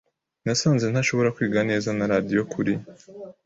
Nasanze ntashobora kwiga neza na radio kuri.